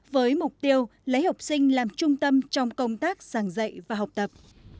với mục tiêu lấy học sinh làm trung tâm trong công tác sàng dạy và học tập